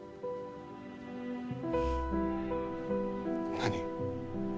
何？